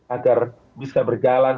agar bisa berjalan